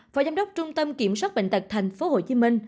phó giám đốc trung tâm kiểm soát bệnh tật tp hcm